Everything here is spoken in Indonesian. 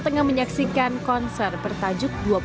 tengah menyaksikan konser bertajuk